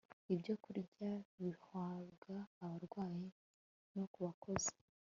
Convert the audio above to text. ibyokurya bihabwa abarwayi no ku bakozi